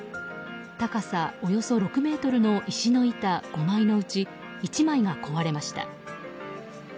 高さおよそ６ｍの石の板５枚のうち１枚が壊れました。